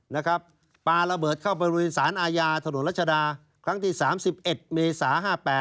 ปลาระเบิดเข้าไปบริเวณสารอาญาถนนรัชดาครั้งที่๓๑เมษา๕๘